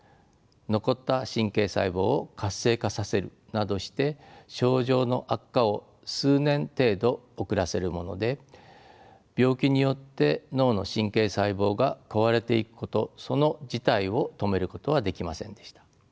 残った神経細胞を活性化させるなどして症状の悪化を数年程度遅らせるもので病気によって脳の神経細胞が壊れていくことその自体を止めることはできませんでした。